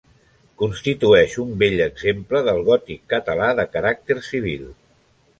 Constitueix un bell exemple del gòtic català de caràcter civil.